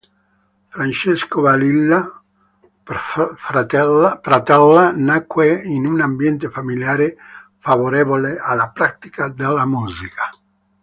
Francesco Balilla Pratella nacque in un ambiente familiare favorevole alla pratica della musica.